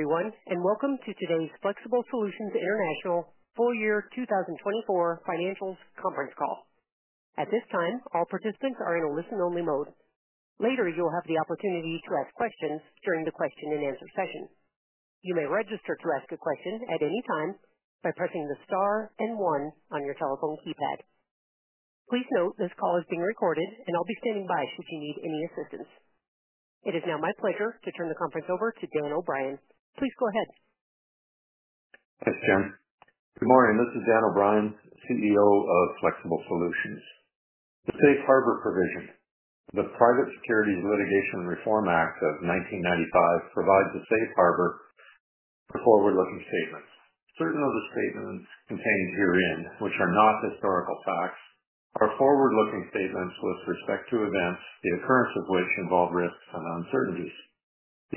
Everyone, and welcome to today's Flexible Solutions International Full Year 2024 Financials Conference Call. At this time, all participants are in a listen-only mode. Later, you'll have the opportunity to ask questions during the question-and-answer session. You may register to ask a question at any time by pressing the star and one on your telephone keypad. Please note this call is being recorded, and I'll be standing by should you need any assistance. It is now my pleasure to turn the conference over to Dan O'Brien. Please go ahead. Thanks, Jen. Good morning. This is Dan O'Brien, CEO of Flexible Solutions. The Safe Harbor Provision, the Private Securities Litigation Reform Act of 1995, provides a safe harbor for forward-looking statements. Certain of the statements contained herein, which are not historical facts, are forward-looking statements with respect to events, the occurrence of which involve risks and uncertainties.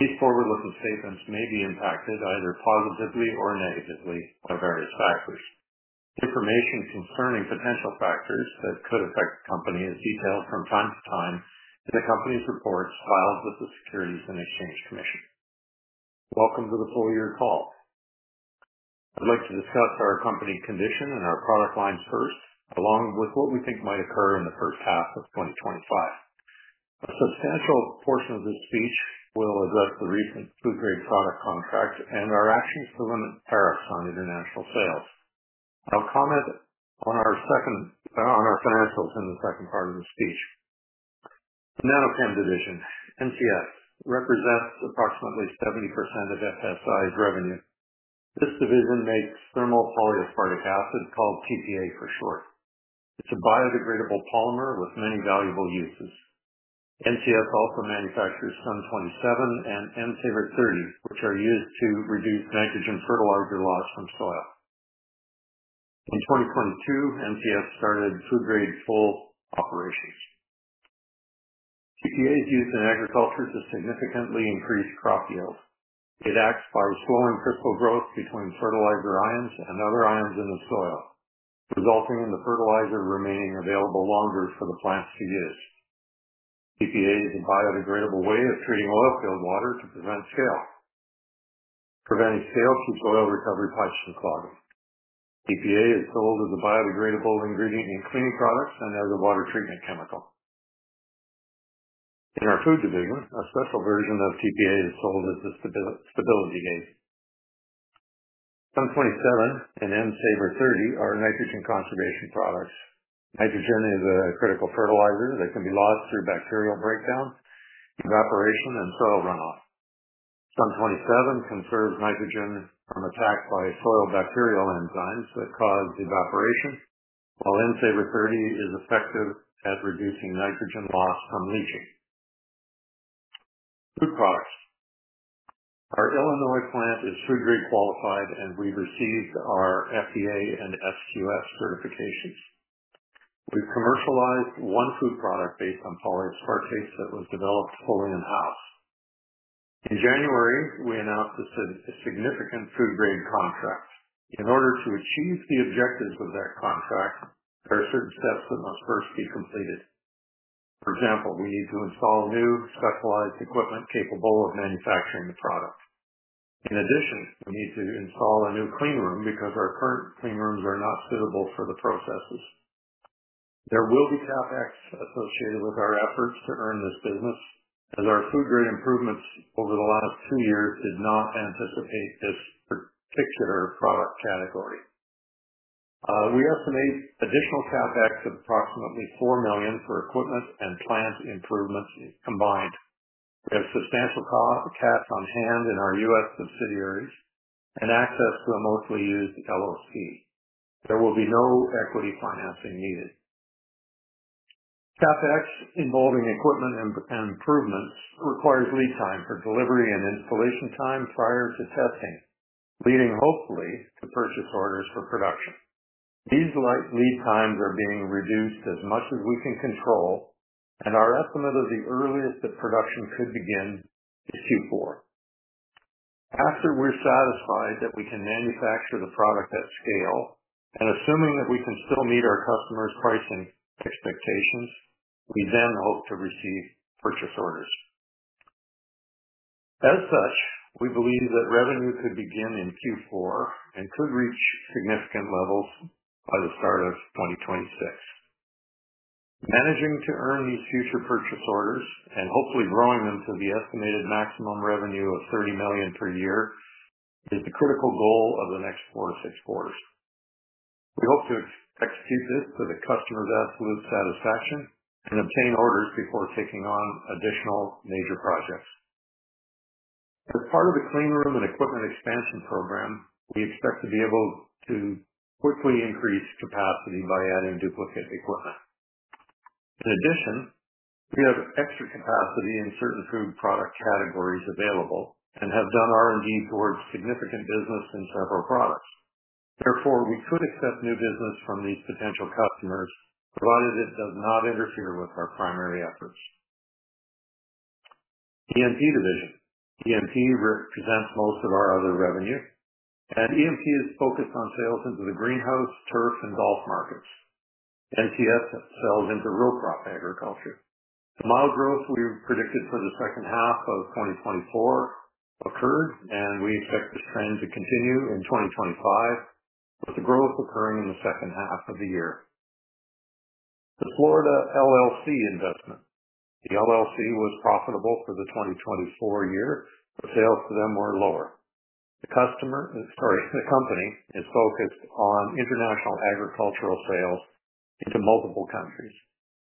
These forward-looking statements may be impacted either positively or negatively by various factors. Information concerning potential factors that could affect the company is detailed from time to time in the company's reports filed with the Securities and Exchange Commission. Welcome to the full year call. I'd like to discuss our company condition and our product lines first, along with what we think might occur in the first half of 2025. A substantial portion of this speech will address the recent food-grade product contract and our actions to limit tariffs on international sales. I'll comment on our financials in the second part of the speech. The NanoChem division, NCS, represents approximately 70% of FSI's revenue. This division makes thermal polyaspartic acid, called TPA for short. It's a biodegradable polymer with many valuable uses. NCS also manufactures SUN 27 and N Savr 30, which are used to reduce nitrogen fertilizer loss from soil. In 2022, NCS started food-grade full operations. TPA is used in agriculture to significantly increase crop yield. It acts by slowing crystal growth between fertilizer ions and other ions in the soil, resulting in the fertilizer remaining available longer for the plants to use. TPA is a biodegradable way of treating oilfield water to prevent scale. Preventing scale keeps oil recovery pipes from clogging. TPA is sold as a biodegradable ingredient in cleaning products and as a water treatment chemical. In our food division, a special version of TPA is sold as the stability aid. SUN 27 and N Savr 30 are nitrogen conservation products. Nitrogen is a critical fertilizer that can be lost through bacterial breakdown, evaporation, and soil runoff. SUN 27 conserves nitrogen from attack by soil bacterial enzymes that cause evaporation, while N Savr 30 is effective at reducing nitrogen loss from leaching. Food products. Our Illinois plant is food-grade qualified, and we've received our FDA and SQF certifications. We've commercialized one food product based on polyaspartates that was developed fully in-house. In January, we announced a significant food-grade contract. In order to achieve the objectives of that contract, there are certain steps that must first be completed. For example, we need to install new specialized equipment capable of manufacturing the product. In addition, we need to install a new clean room because our current clean rooms are not suitable for the processes. There will be CapEx associated with our efforts to earn this business, as our food-grade improvements over the last two years did not anticipate this particular product category. We estimate additional CapEx of approximately $4 million for equipment and plant improvements combined. We have substantial cash on hand in our U.S. subsidiaries and access to a mostly used LLC. There will be no equity financing needed. CapEx involving equipment and improvements requires lead time for delivery and installation time prior to testing, leading hopefully to purchase orders for production. These lead times are being reduced as much as we can control, and our estimate of the earliest that production could begin is Q4. After we're satisfied that we can manufacture the product at scale, and assuming that we can still meet our customers' pricing expectations, we then hope to receive purchase orders. As such, we believe that revenue could begin in Q4 and could reach significant levels by the start of 2026. Managing to earn these future purchase orders and hopefully growing them to the estimated maximum revenue of $30 million per year is the critical goal of the next four to six quarters. We hope to execute this to the customer's absolute satisfaction and obtain orders before taking on additional major projects. As part of the clean room and equipment expansion program, we expect to be able to quickly increase capacity by adding duplicate equipment. In addition, we have extra capacity in certain food product categories available and have done R&D towards significant business in several products. Therefore, we could accept new business from these potential customers, provided it does not interfere with our primary efforts. ENP division. ENP represents most of our other revenue, and ENP is focused on sales into the greenhouse, turf, and golf markets. NCS sells into row crop agriculture. The mild growth we predicted for the second half of 2024 occurred, and we expect this trend to continue in 2025, with the growth occurring in the second half of the year. The Florida LLC investment. The LLC was profitable for the 2024 year, but sales to them were lower. The customer—sorry, the company—is focused on international agricultural sales into multiple countries.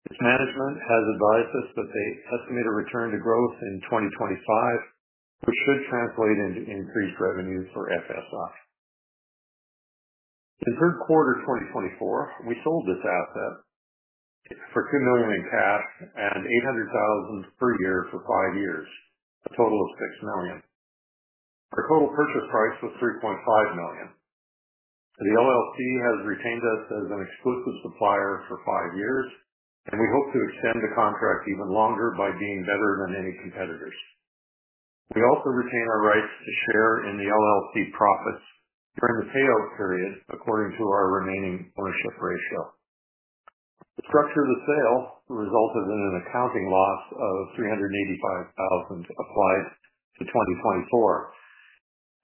Its management has advised us that they estimate a return to growth in 2025, which should translate into increased revenue for FSI. In third quarter 2024, we sold this asset for $2 million cash and $800,000 per year for five years, a total of $6 million. Our total purchase price was $3.5 million. The LLC has retained us as an exclusive supplier for five years, and we hope to extend the contract even longer by being better than any competitors. We also retain our rights to share in the LLC profits during the payout period, according to our remaining ownership ratio. The structure of the sale resulted in an accounting loss of $385,000 applied to 2024.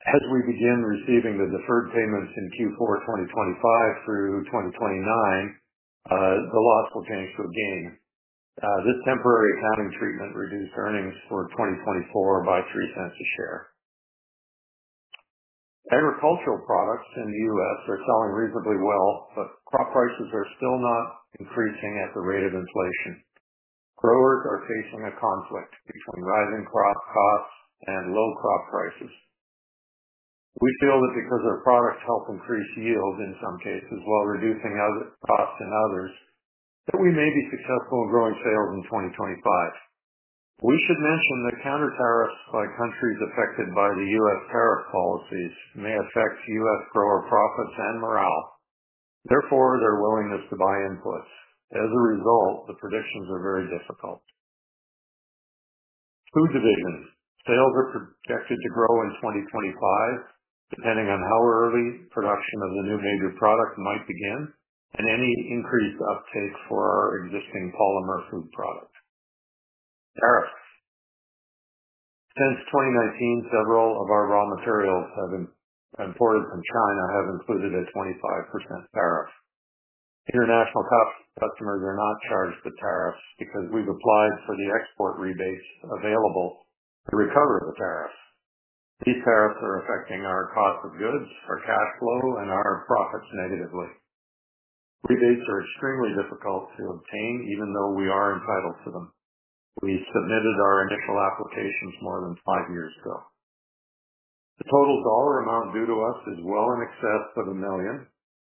As we begin receiving the deferred payments in Q4 2025 through 2029, the loss will change to a gain. This temporary accounting treatment reduced earnings for 2024 by $0.03 a share. Agricultural products in the U.S. are selling reasonably well, but crop prices are still not increasing at the rate of inflation. Growers are facing a conflict between rising crop costs and low crop prices. We feel that because our products help increase yield in some cases while reducing costs in others, that we may be successful in growing sales in 2025. We should mention that counter tariffs by countries affected by the U.S. tariff policies may affect U.S. grower profits and morale. Therefore, their willingness to buy inputs. As a result, the predictions are very difficult. Food division. Sales are projected to grow in 2025, depending on how early production of the new major product might begin and any increased uptake for our existing polymer food product. Tariffs. Since 2019, several of our raw materials imported from China have included a 25% tariff. International customers are not charged the tariffs because we've applied for the export rebates available to recover the tariffs. These tariffs are affecting our cost of goods, our cash flow, and our profits negatively. Rebates are extremely difficult to obtain, even though we are entitled to them. We submitted our initial applications more than five years ago. The total dollar amount due to us is well in excess of $1 million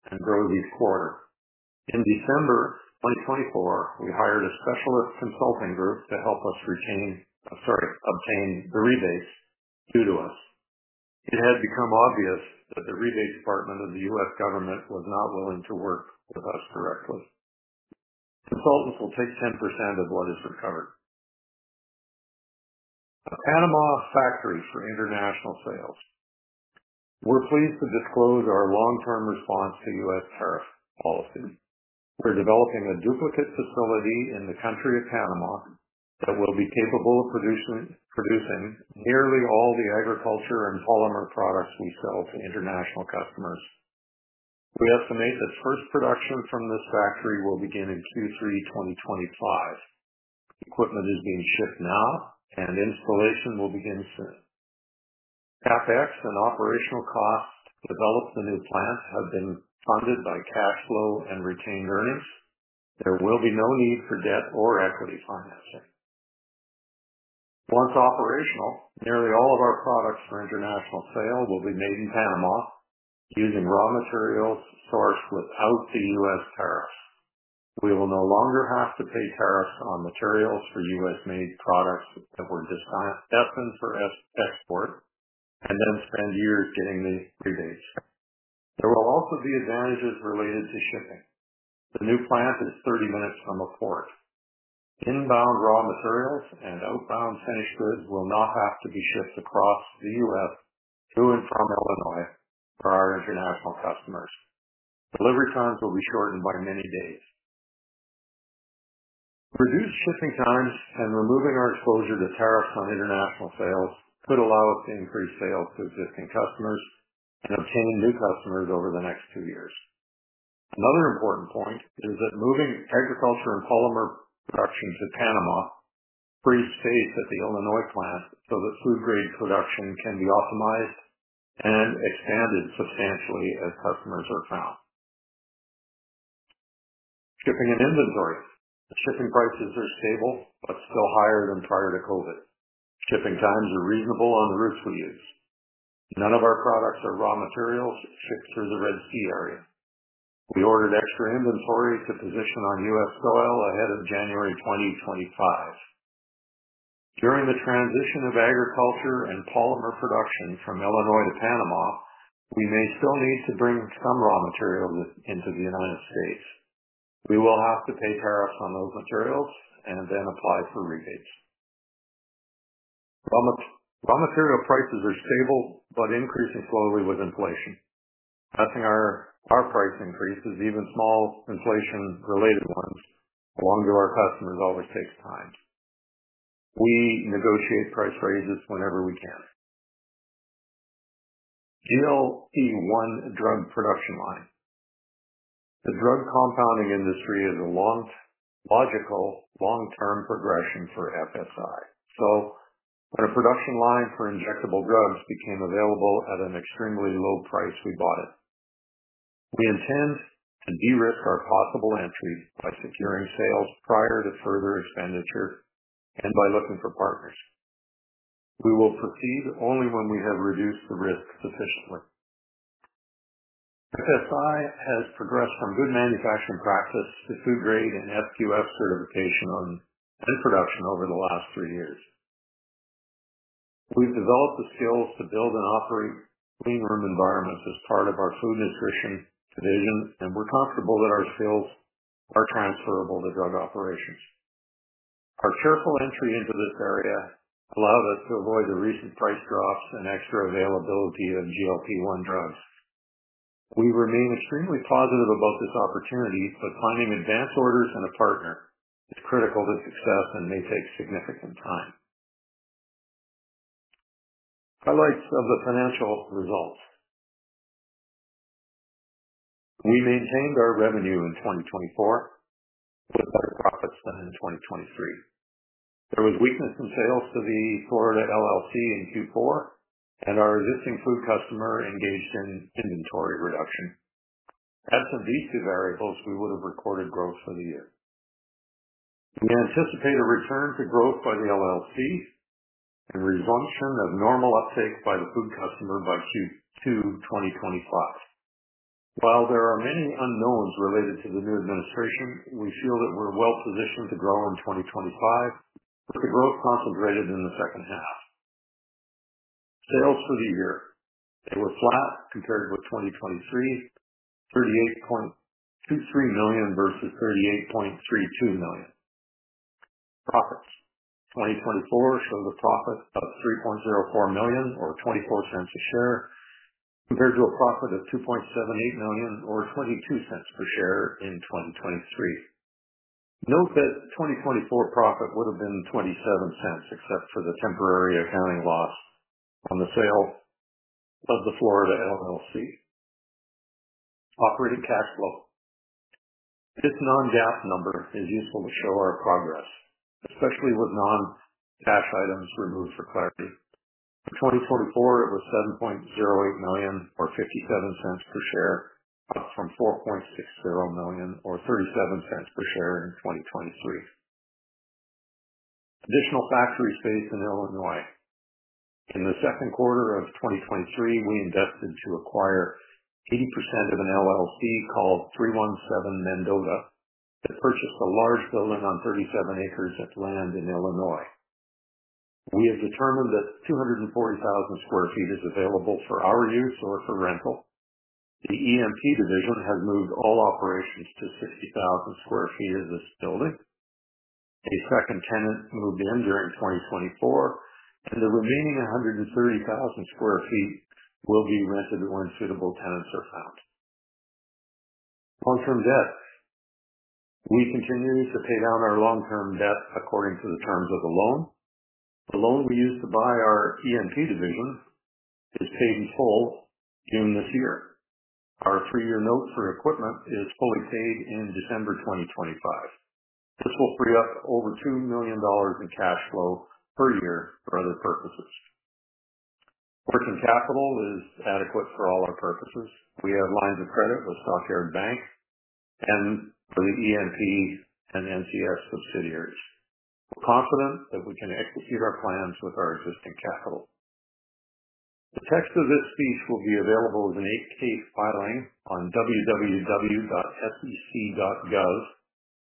and grows each quarter. In December 2024, we hired a specialist consulting group to help us obtain the rebates due to us. It had become obvious that the rebates department of the U.S. government was not willing to work with us directly. Consultants will take 10% of what is recovered. A Panama factory for international sales. We are pleased to disclose our long-term response to U.S. tariff policy. We are developing a duplicate facility in the country of Panama that will be capable of producing nearly all the agriculture and polymer products we sell to international customers. We estimate that first production from this factory will begin in Q3 2025. Equipment is being shipped now, and installation will begin soon. CapEx and operational costs to develop the new plant have been funded by cash flow and retained earnings. There will be no need for debt or equity financing. Once operational, nearly all of our products for international sale will be made in Panama using raw materials sourced without the U.S. tariffs. We will no longer have to pay tariffs on materials for U.S.-made products that were destined for export and then spend years getting the rebates. There will also be advantages related to shipping. The new plant is 30 minutes from a port. Inbound raw materials and outbound finished goods will not have to be shipped across the U.S. to and from Illinois for our international customers. Delivery times will be shortened by many days. Reduced shipping times and removing our exposure to tariffs on international sales could allow us to increase sales to existing customers and obtain new customers over the next two years. Another important point is that moving agriculture and polymer production to Panama frees space at the Illinois plant so that food-grade production can be optimized and expanded substantially as customers are found. Shipping and inventory. Shipping prices are stable but still higher than prior to COVID. Shipping times are reasonable on the routes we use. None of our products or raw materials ship through the Red Sea area. We ordered extra inventory to position on U.S. soil ahead of January 2025. During the transition of agriculture and polymer production from Illinois to Panama, we may still need to bring some raw materials into the United States. We will have to pay tariffs on those materials and then apply for rebates. Raw material prices are stable but increasing slowly with inflation. Adding our price increases, even small inflation-related ones, along to our customers always takes time. We negotiate price raises whenever we can. GLP-1 drug production line. The drug compounding industry is a logical long-term progression for FSI. When a production line for injectable drugs became available at an extremely low price, we bought it. We intend to de-risk our possible entry by securing sales prior to further expenditure and by looking for partners. We will proceed only when we have reduced the risk sufficiently. FSI has progressed from good manufacturing practice to food-grade and SQF certification on end production over the last three years. We've developed the skills to build and operate clean room environments as part of our food nutrition division, and we're comfortable that our skills are transferable to drug operations. Our careful entry into this area allowed us to avoid the recent price drops and extra availability of GLP-1 drugs. We remain extremely positive about this opportunity, but finding advanced orders and a partner is critical to success and may take significant time. Highlights of the financial results. We maintained our revenue in 2024 with better profits than in 2023. There was weakness in sales to the Florida LLC in Q4, and our existing food customer engaged in inventory reduction. Absent these two variables, we would have recorded growth for the year. We anticipate a return to growth by the LLC and resumption of normal uptake by the food customer by Q2 2025. While there are many unknowns related to the new administration, we feel that we're well positioned to grow in 2025 with the growth concentrated in the second half. Sales for the year. They were flat compared with 2023, $38.23 million versus $38.32 million. Profits. 2024 showed a profit of $3.04 million, or $0.24 a share, compared to a profit of $2.78 million, or $0.22 per share in 2023. Note that 2024 profit would have been $0.27 except for the temporary accounting loss on the sale of the Florida LLC. Operating cash flow. This non-GAAP number is useful to show our progress, especially with non-cash items removed for clarity. In 2024, it was $7.08 million, or $0.57 per share, up from $4.60 million, or $0.37 per share in 2023. Additional factory space in Illinois. In the second quarter of 2023, we invested to acquire 80% of an LLC called 317 Mendota that purchased a large building on 37 acres of land in Illinois. We have determined that 240,000 sq ft is available for our use or for rental. The ENP division has moved all operations to 60,000 sq ft of this building. A second tenant moved in during 2024, and the remaining 130,000 sq ft will be rented when suitable tenants are found. Long-term debt. We continue to pay down our long-term debt according to the terms of the loan. The loan we used to buy our ENP division is paid in full June this year. Our three-year note for equipment is fully paid in December 2025. This will free up over $2 million in cash flow per year for other purposes. Working capital is adequate for all our purposes. We have lines of credit with Stock Yards Bank and for the ENP and NCS subsidiaries. We're confident that we can execute our plans with our existing capital. The text of this speech will be available as an 8-K filing on www.sec.gov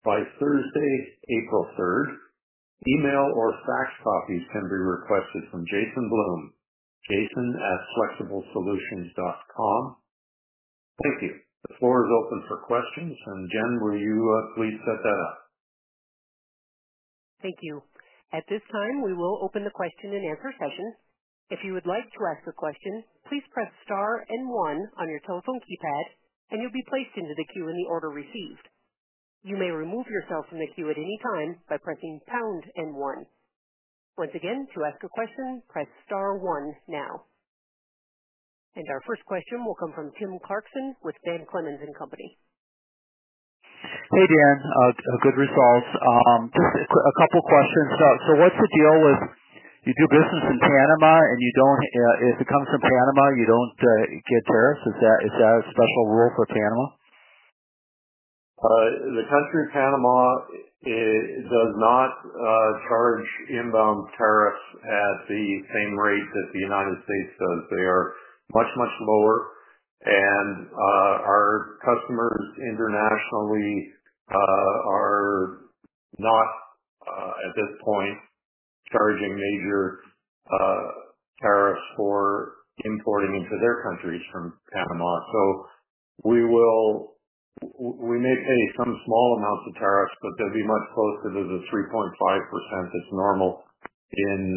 by Thursday, April 3rd. Email or fax copies can be requested from Jason Bloom, jason@flexiblesolutions.com. Thank you. The floor is open for questions. Jen, will you please set that up? Thank you. At this time, we will open the question and answer session. If you would like to ask a question, please press star and one on your telephone keypad, and you'll be placed into the queue in the order received. You may remove yourself from the queue at any time by pressing pound and one. Once again, to ask a question, press star one now. Our first question will come from Tim Clarkson with Van Clemens & Co. Hey, Dan. Good results. Just a couple of questions. What's the deal with you do business in Panama, and if it comes from Panama, you don't get tariffs? Is that a special rule for Panama? The country Panama does not charge inbound tariffs at the same rate that the United States does. They are much, much lower. Our customers internationally are not, at this point, charging major tariffs for importing into their countries from Panama. We may pay some small amounts of tariffs, but they will be much closer to the 3.5% that is normal in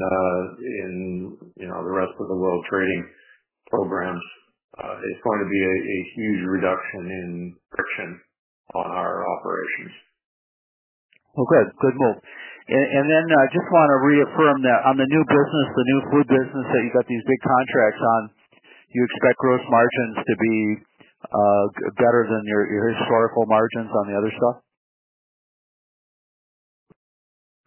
the rest of the world trading programs. It is going to be a huge reduction in friction on our operations. Good move. I just want to reaffirm that on the new business, the new food business that you have these big contracts on, you expect gross margins to be better than your historical margins on the other stuff?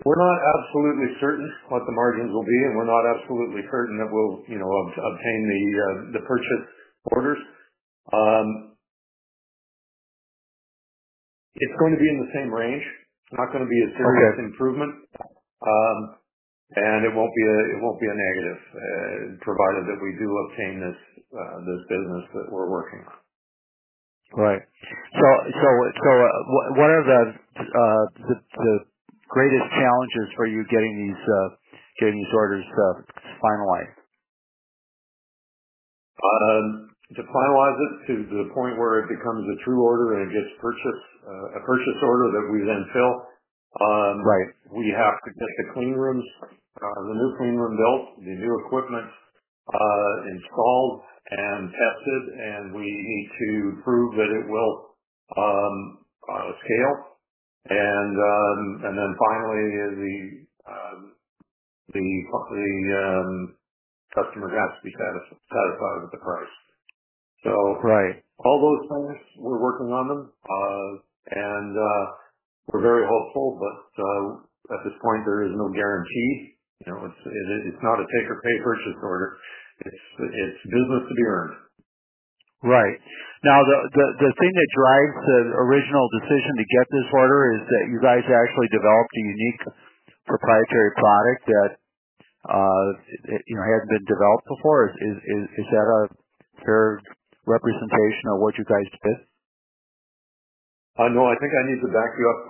We are not absolutely certain what the margins will be, and we are not absolutely certain that we will obtain the purchase orders. It is going to be in the same range. It's not going to be a serious improvement, and it won't be a negative, provided that we do obtain this business that we're working on. Right. What are the greatest challenges for you getting these orders finalized? To finalize it to the point where it becomes a true order and gets a purchase order that we then fill, we have to get the clean rooms, the new clean room built, the new equipment installed and tested, and we need to prove that it will scale. Finally, the customer has to be satisfied with the price. All those things, we're working on them, and we're very hopeful, but at this point, there is no guarantee. It's not a take-or-pay purchase order. It's business to be earned. Right. Now, the thing that drives the original decision to get this order is that you guys actually developed a unique proprietary product that hadn't been developed before. Is that a fair representation of what you guys did? No, I think I need to back you up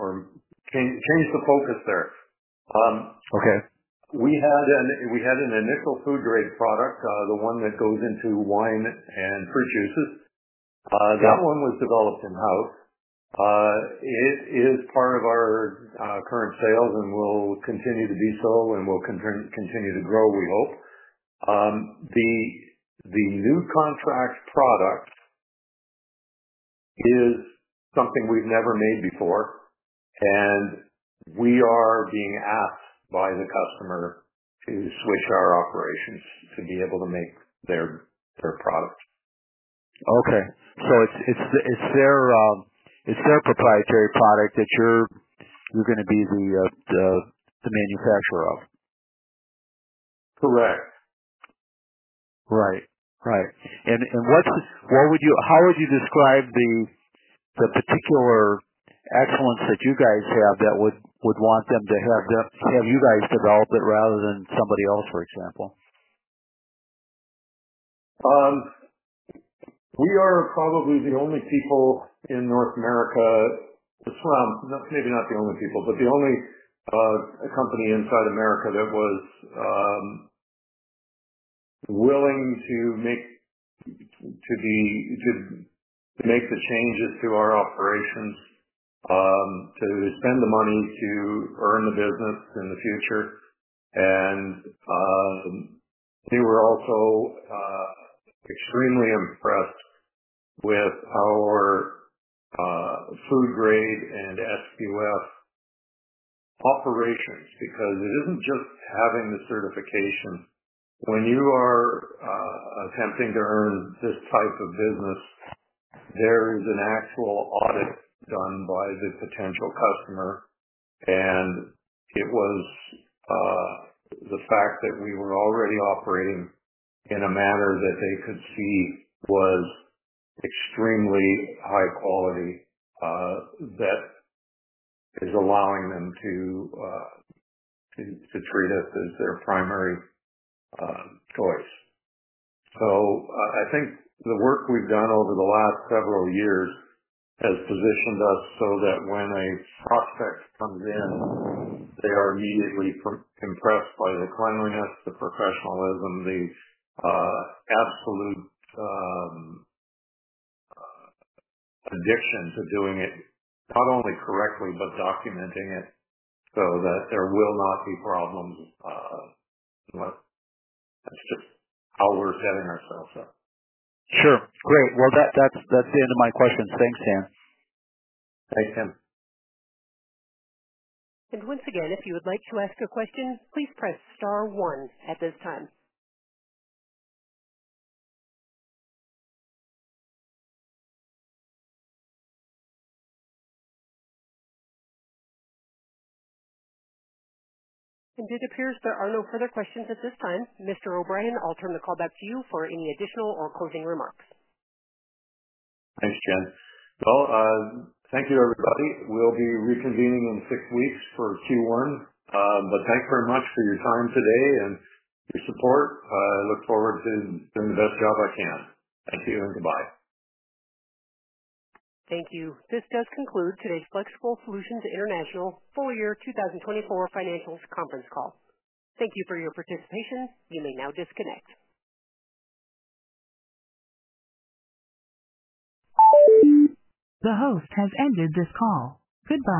or change the focus there. We had an initial food-grade product, the one that goes into wine and fruit juices. That one was developed in-house. It is part of our current sales and will continue to be so, and we'll continue to grow, we hope. The new contract product is something we've never made before, and we are being asked by the customer to switch our operations to be able to make their product. Okay. So it's their proprietary product that you're going to be the manufacturer of? Correct. Right. Right. How would you describe the particular excellence that you guys have that would want them to have you guys develop it rather than somebody else, for example? We are probably the only people in North America—well, maybe not the only people, but the only company inside America that was willing to make the changes to our operations, to spend the money to earn the business in the future. They were also extremely impressed with our food-grade and SQF operations because it is not just having the certification. When you are attempting to earn this type of business, there is an actual audit done by the potential customer. It was the fact that we were already operating in a manner that they could see was extremely high quality that is allowing them to treat us as their primary choice. I think the work we've done over the last several years has positioned us so that when a prospect comes in, they are immediately impressed by the cleanliness, the professionalism, the absolute addiction to doing it, not only correctly, but documenting it so that there will not be problems. That's just how we're setting ourselves up. Sure. Great. That's the end of my questions. Thanks, Dan. Thanks, Tim. Once again, if you would like to ask a question, please press star one at this time. It appears there are no further questions at this time. Mr. O'Brien, I'll turn the call back to you for any additional or closing remarks. Thanks, Jen. Thank you, everybody. We'll be reconvening in six weeks for Q1, but thanks very much for your time today and your support. I look forward to doing the best job I can. Thank you and goodbye. Thank you. This does conclude today's Flexible Solutions International Full Year 2024 Financials Conference Call. Thank you for your participation. You may now disconnect. The host has ended this call. Goodbye.